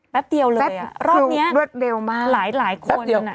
แป๊บเดียวเลยรอบนี้หลายคน